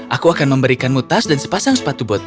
aku akan memberikanmu tas dan sepasang sepatu bot